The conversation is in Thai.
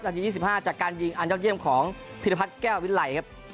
จากที๒๕จากการยิงอันยอดเยี่ยมของพีรพัทรแก้ววิทยาลัยครับ